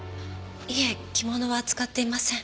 いえ着物は扱っていません。